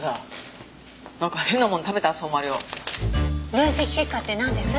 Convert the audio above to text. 分析結果ってなんです？